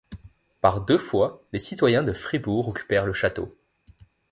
Par deux fois les citoyens de Fribourg occupèrent le château.